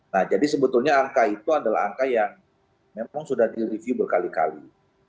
nah jadi sebetulnya angka itu adalah angka yang memang sudah direview berkali kali